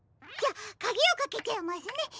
じゃあかぎをかけちゃいますね。